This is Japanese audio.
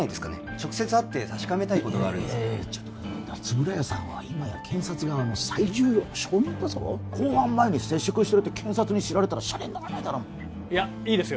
直接会って確かめたいことがあるんですが円谷さんはいまや検察側の最重要の証人だぞ公判前に接触してるって検察に知られたらシャレにならないだろいやいいですよ